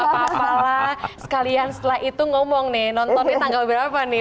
gak apa apa lah sekalian setelah itu ngomong nih nontonnya tanggal berapa nih